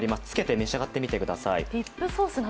つけて召し上がってみてください。